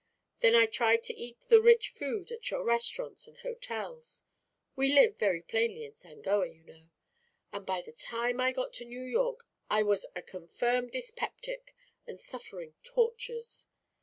Then I tried to eat the rich food at your restaurants and hotels we live very plainly in Sangoa, you know and by the time I got to New York I was a confirmed dyspeptic and suffering tortures.